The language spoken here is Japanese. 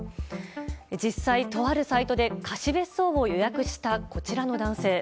実際、とあるサイトで貸別荘を予約した、こちらの男性。